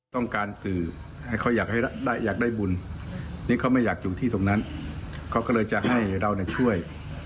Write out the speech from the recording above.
ก็เลยทำพิธีขอเป็นลูกศิษย์เลย